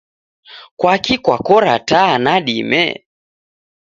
Kwakii kwakora taa nadime?